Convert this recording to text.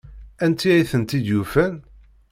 Anti ay tent-id-yufan?